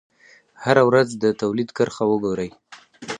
هره ورځ د تولید کرښه وګورئ.